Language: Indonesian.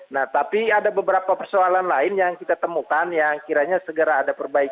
nah tapi ada beberapa persoalan lain yang kita temukan yang kiranya segera ada perbaikan